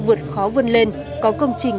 vượt khó vân lên có công trình